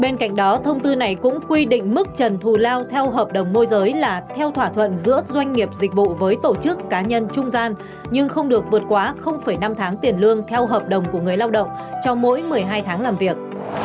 bên cạnh đó thông tư này cũng quy định mức trần thù lao theo hợp đồng môi giới là theo thỏa thuận giữa doanh nghiệp dịch vụ với tổ chức cá nhân trung gian nhưng không được vượt quá năm tháng tiền lương theo hợp đồng của người lao động cho mỗi một mươi hai tháng làm việc